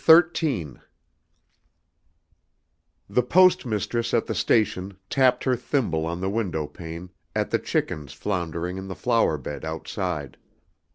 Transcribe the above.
The Post Mistress at the station tapped her thimble on the window pane at the chickens floundering in the flower bed outside.